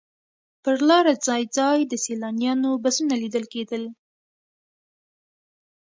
پر لاره ځای ځای د سیلانیانو بسونه لیدل کېدل.